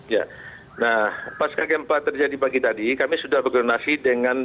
ya nah pas kegempa terjadi pagi tadi kami sudah berkoordinasi dengan